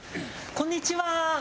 こんにちは。